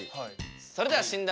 それでは診断